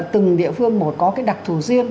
từng địa phương một có cái đặc thù riêng